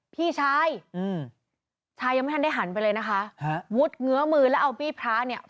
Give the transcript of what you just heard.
พี่ชายอืมชายยังไม่ทันได้หันไปเลยนะคะฮะมุดเงื้อมือแล้วเอาบี้พระเนี่ย